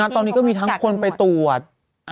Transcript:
ตอนนี้ก็มีทั้งคนไปตรวจ